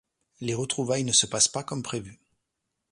Les retrouvailles ne se passent pas comme prévues.